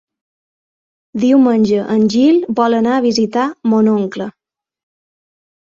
Diumenge en Gil vol anar a visitar mon oncle.